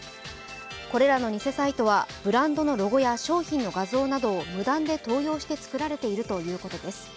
これらの偽サイトはブランドのロゴや商品の画像などを無断で盗用して作られているというこです。